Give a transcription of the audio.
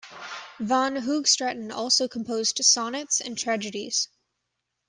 Van Hoogstraten also composed sonnets and tragedies.